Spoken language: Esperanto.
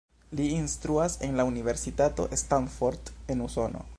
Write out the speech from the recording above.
Li instruas en la Universitato Stanford en Usono.